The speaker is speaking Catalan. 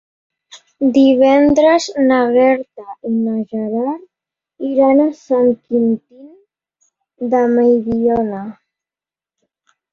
Divendres na Greta i en Gerard iran a Sant Quintí de Mediona.